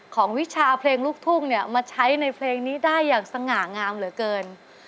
วิชาเพลงลูกทุ่งเนี่ยมาใช้ในเพลงนี้ได้อย่างสง่างามเหลือเกิน